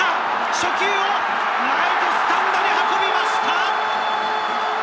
初球をライトスタンドに運びました！